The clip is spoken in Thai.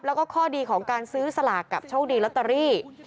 แล้วก็ข้อดีของการซื้อสลากกับโชคดีลอตเตอรี่